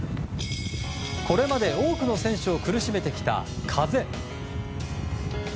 これまで多くの選手を苦しめてきた風。